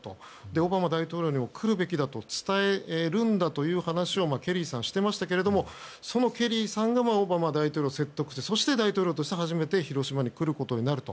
オバマ大統領にも来るべきだと伝えるんだという話をケリーさんはしていましたがそのケリーさんがオバマ大統領を説得してそして、大統領として初めて広島に来ることになると。